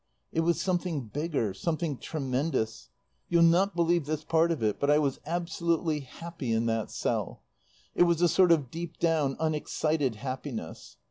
"It was something bigger, something tremendous. You'll not believe this part of it, but I was absolutely happy in that cell. It was a sort of deep down unexcited happiness.